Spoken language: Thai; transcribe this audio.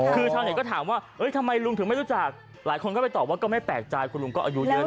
คือชาวเน็ตก็ถามว่าทำไมลุงถึงไม่รู้จักหลายคนก็ไปตอบว่าก็ไม่แปลกใจคุณลุงก็อายุเยอะ